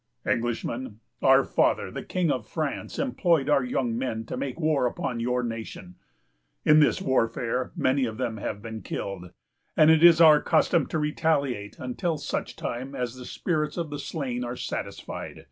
"'Englishman, our father, the King of France, employed our young men to make war upon your nation. In this warfare many of them have been killed; and it is our custom to retaliate until such time as the spirits of the slain are satisfied.